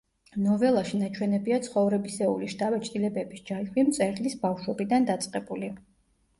ნოველაში ნაჩვენებია ცხოვრებისეული შთაბეჭდილებების ჯაჭვი, მწერლის ბავშვობიდან დაწყებული.